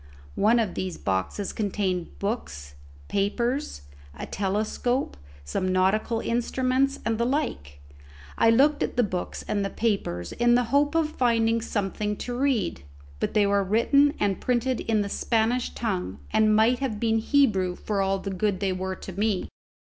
One of these boxes contained books, papers, a telescope, some nautical instruments, and the like. I looked at the books and the papers, in the hope of finding something to read; but they were written and printed in the Spanish tongue, and might have been Hebrew for all the good they were to me.